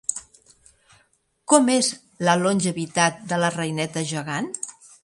Com és la longevitat de la reineta gegant?